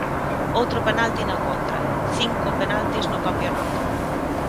Outro penalti na contra, cinco penaltis no campionato.